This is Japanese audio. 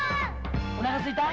おなかすいた？